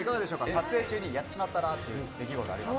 撮影中にやっちまったなぁっていう出来事ありますか？